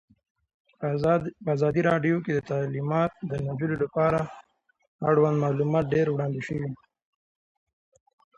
په ازادي راډیو کې د تعلیمات د نجونو لپاره اړوند معلومات ډېر وړاندې شوي.